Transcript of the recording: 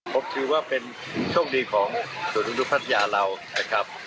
ผมถือว่าเป็นโชคดีของส่วนอนุพัทยาเรานะครับ